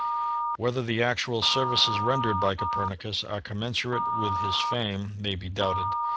Whether the actual services rendered by Copernicus are commensurate with his fame may be doubted.